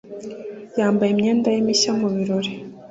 Yambaye imyenda ye mishya mu birori.